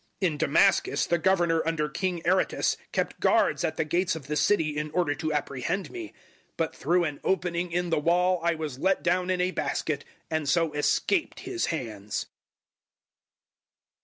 011:032 In Damascus the governor under King Aretas kept guards at the gates of the city in order to apprehend me, 011:033 but through an opening in the wall I was let down in a basket, and so escaped his hands.